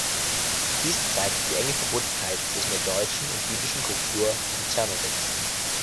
Dies zeigt die enge Verbundenheit zwischen der deutschen und jüdischen Kultur in Czernowitz.